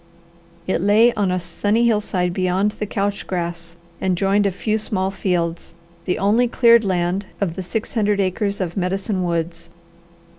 It lay on a sunny hillside beyond the couch grass and joined a few small fields, the only cleared land of the six hundred acres of Medicine Woods.